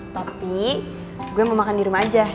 tapi gue mau makan dirumah aja